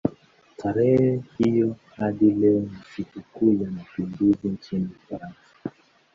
Tarehe hiyo hadi leo ni sikukuu ya mapinduzi nchini Ufaransa.